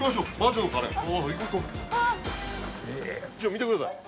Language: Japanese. ◆見てください。